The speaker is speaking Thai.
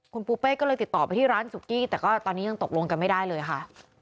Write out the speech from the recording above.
คุณปูเป้ก็เลยติดต่อไปที่ร้านสุกี้แต่ก็ตอนนี้ยังตกลงกันไม่ได้เลยค่ะ